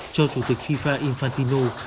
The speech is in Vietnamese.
cho chủ tịch fifa infantino